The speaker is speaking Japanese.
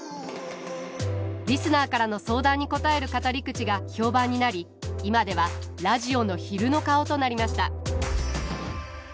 リスナーからの相談に答える語り口が評判になり今ではラジオの昼の顔となりました。